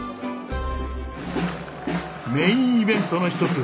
メインイベントの一つ